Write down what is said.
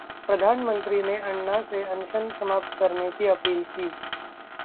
प्रधानमंत्री ने अन्ना से अनशन समाप्त करने की अपील की